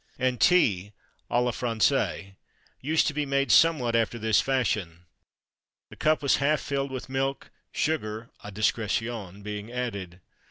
And tea à la Française used to be made somewhat after this fashion. The cup was half filled with milk, sugar à discrétion being added.